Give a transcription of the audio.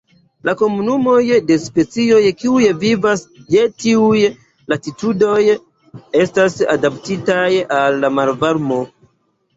La komunumoj de specioj kiuj vivas je tiuj latitudoj estas adaptitaj al la malvarmo.